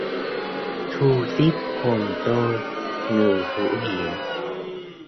Thu tiếp hồn tôi người hữu hiện